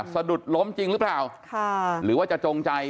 สะดุดล้มจริงหรือเปล่าหรือว่าจะจงใจ